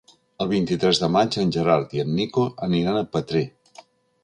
El vint-i-tres de maig en Gerard i en Nico aniran a Petrer.